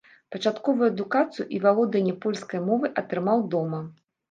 Пачатковую адукацыю і валоданне польскай мовай атрымаў дома.